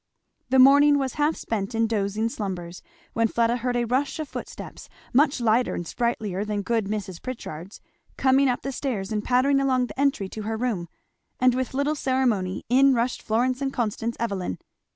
The morning was half spent in dozing slumbers, when Fleda heard a rush of footsteps, much lighter and sprightlier than good Mrs. Pritchard's, coming up the stairs and pattering along the entry to her room; and with little ceremony in rushed Florence and Constance Evelyn.